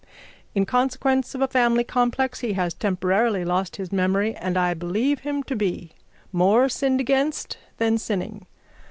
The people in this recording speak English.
In consequence of a family complex he has temporarily lost his memory and I believe him to be more sinned against than sinning.